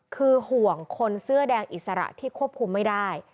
คือห่วงคนเสื้อแดงอิสระที่ควบคุมไม่ได้